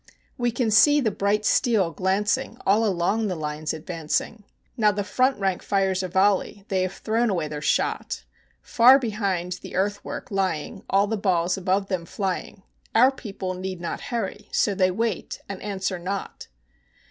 We can see the bright steel glancing all along the lines advancing, Now the front rank fires a volley, they have thrown away their shot; For behind their earthwork lying, all the balls above them flying, Our people need not hurry; so they wait and answer not.